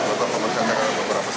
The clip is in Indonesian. apa pemeriksaan kejiwaan berlaku